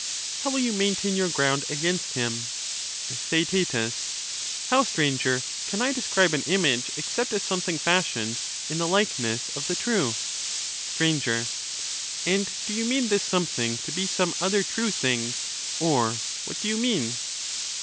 How will you maintain your ground against him ? Theaet. How, Stranger, can I describe an image except as something fashioned in the likeness of the true? Str. And do you mean this something to be some other true thing, or what do you mean